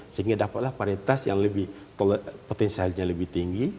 sehingga dapatlah paritas yang lebih potensialnya lebih tinggi